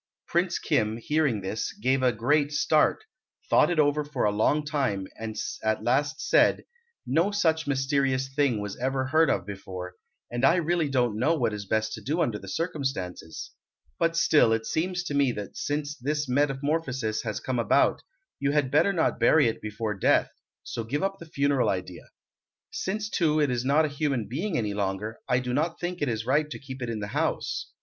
Prince Kim, hearing this, gave a great start, thought it over for a long time, and at last said, "No such mysterious thing was ever heard of before, and I really don't know what is best to do under the circumstances, but still, it seems to me that since this metamorphosis has come about, you had better not bury it before death, so give up the funeral idea. Since, too, it is not a human being any longer, I do not think it right to keep it in the house.